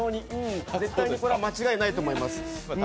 絶対にこれは間違いないと思います。